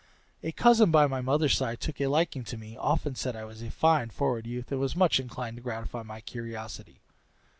A cousin by my mother's side took a liking to me, often said I was a fine forward youth, and was much inclined to gratify my curiosity.